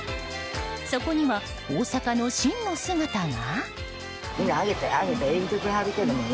そこには大阪の真の姿が。